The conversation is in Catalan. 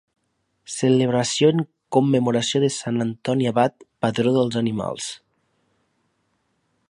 Celebració en commemoració de Sant Antoni Abat, patró dels animals.